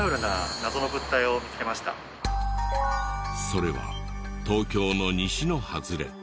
それは東京の西の外れ。